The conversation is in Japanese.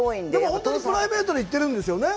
本当にプライベートで行ってるんですよね。